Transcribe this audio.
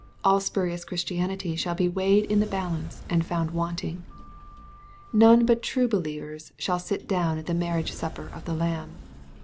All spurious Christian ity shall be weighed in the balance and found wanting. None but true believers shall sit down at the marriage supper of the Lamb.